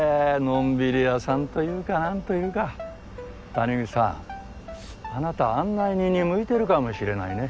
のんびり屋さんというかなんというか谷口さんあなた案内人に向いてるかもしれないね。